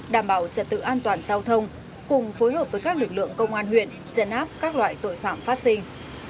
đảm bảo trật tự an toàn giao thông cùng phối hợp với các lực lượng công an huyện trấn áp các loại tội phạm phát sinh